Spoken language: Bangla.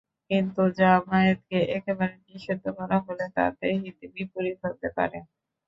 কিন্তু জামায়াতকে একেবারে নিষিদ্ধ করা হলে, তাতে হিতে বিপরীত হতে পারে।